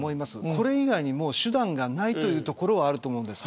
これ以外に手段がないというところはあると思います。